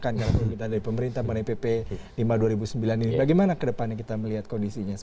kalau pemerintahan dari pemerintah mengenai pp lima dua ribu sembilan ini bagaimana ke depannya kita melihat kondisinya